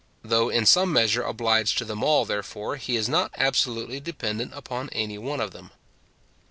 Though in some measure obliged to them all, therefore, he is not absolutely dependent upon any one of them.